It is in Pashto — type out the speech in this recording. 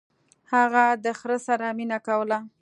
هغه د خر سره مینه کوله.